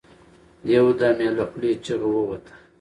يو دم يې له خولې چيغه ووته.